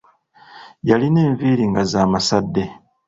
Yalina enviiri nga za masadde.